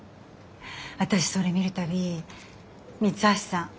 私それ見る度三橋さん